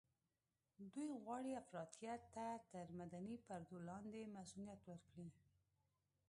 دوی غواړي افراطيت ته تر مدني پردو لاندې مصؤنيت ورکړي.